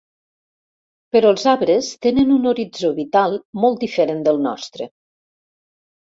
Però els arbres tenen un horitzó vital molt diferent del nostre.